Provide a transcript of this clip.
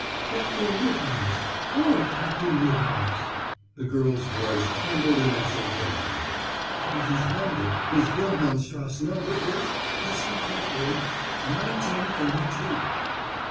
"Captain Woodhouse our Captain Woodhouse!" The girl's voice trembled in exultation. "And his number his Wilhelmstrasse number is listen carefully: Nineteen Thirty two."